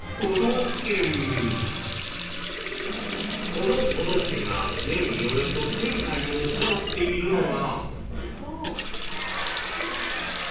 ［この都道府県が年におよそ１，０００回も行っているのが］